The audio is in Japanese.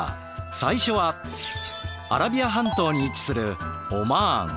最初はアラビア半島に位置するオマーン。